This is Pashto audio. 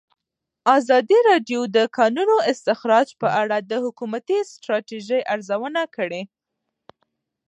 ازادي راډیو د د کانونو استخراج په اړه د حکومتي ستراتیژۍ ارزونه کړې.